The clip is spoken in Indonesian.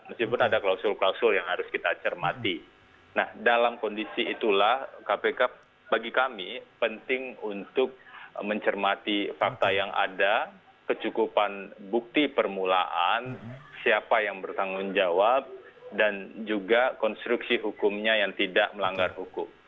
meskipun ada klausul klausul yang harus kita cermati nah dalam kondisi itulah kpk bagi kami penting untuk mencermati fakta yang ada kecukupan bukti permulaan siapa yang bertanggung jawab dan juga konstruksi hukumnya yang tidak melanggar hukum